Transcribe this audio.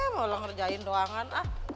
coba ngerjain doangan